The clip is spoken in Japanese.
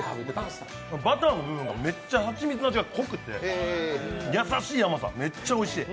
バターの部分が、めっちゃ蜂蜜が濃くて優しい甘さ、めっちゃおいしい。